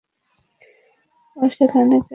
ও সেখানে কেন গেল?